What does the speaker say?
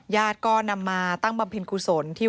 ยาตรก็นำมาตั้งบำพินขุศนที่